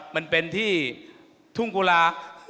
มันเป็นที่ทุ่งกุลา